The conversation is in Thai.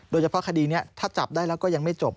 โดยเฉพาะคดีนี้ถ้าจับได้แล้วก็ยังไม่จบ